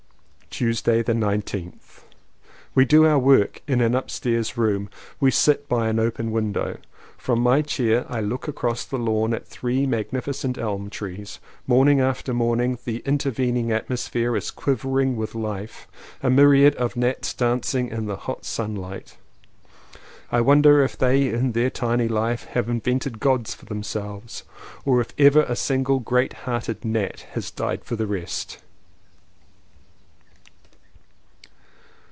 Tuesday the 19th. We do our work in an upstairs room. We sit by an open window. From my chair I look across the lawn at three magnificent elm trees: morning after morning the inter vening atmosphere is quivering with life — a myriad of gnats dancing in the hot sunlight. I wonder if they in their tiny life have invented Gods for themselves or if ever a single, great hearted gnat has died for the rest.